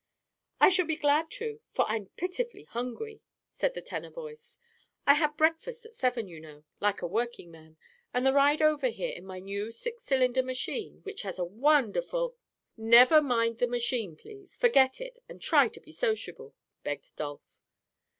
"I shall be glad to, for I'm pitifully hungry," said the tenor voice. "I had breakfast at seven, you know—like a working man—and the ride over here in my new six cylinder machine, which has a wonderful—" "Never mind the machine, please. Forget it, and try to be sociable," begged Dolph.